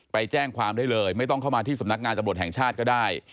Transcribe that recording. ไปแจ้งความได้เลยไม่ต้องเข้ามาที่สำนักงานตำรวจแห่งชาติก็ได้